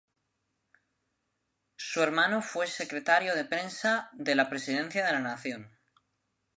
Su hermano fue Secretario de Prensa de la Presidencia de la Nación.